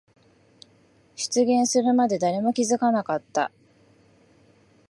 出現するまで誰も気づかなかった。